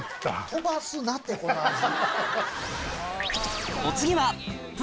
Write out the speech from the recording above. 飛ばすなってこの味。